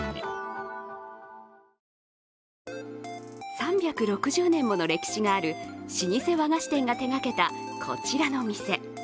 ３６０年もの歴史がある老舗和菓子店が手がけたこちらの店。